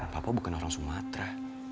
papa bukan orang sumatera